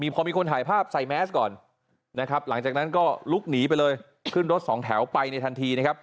พอมีคนถ่ายภาพใส่แมสก่อนนะครับหลังจากนั้นก็ลุกหนีไปเลยขึ้นรถสองแถวไปในทันทีนะครับ